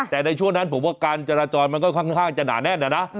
แต่ในช่วงนั้นผมว่าการจราจรมันก็ค่อนข้างจะหนาแน่นอะนะ